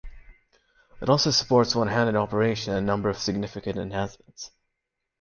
It also supports one handed operation and a number of significant enhancements.